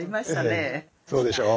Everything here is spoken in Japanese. ええそうでしょう。